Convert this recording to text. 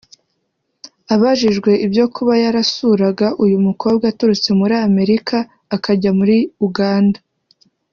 Abajijwe ibyo kuba yarasuuraga uyu mukobwa aturutse muri Amerika akajya muri Uganda